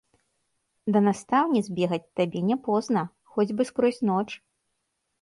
Да настаўніц бегаць табе не позна, хоць бы скрозь ноч.